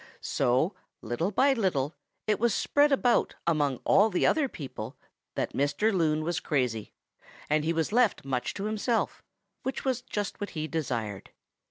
"So little by little it was spread about among all the other people that Mr. Loon was crazy, and he was left much to himself, which was just what he desired.